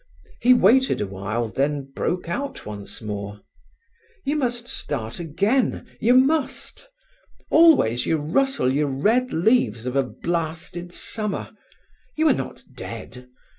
He waited awhile, then broke out once more. "You must start again—you must. Always you rustle your red leaves of a blasted summer. You are not dead.